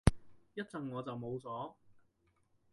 一陣我就冇咗